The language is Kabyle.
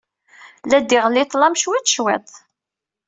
La d-iɣelli ḍḍlam cwiṭ, cwiṭ.